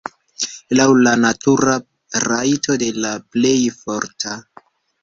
Laŭ la natura rajto de la plej forta.